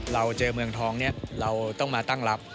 เราเจอเมืองทองนี้เราต้องมาตั้งรับ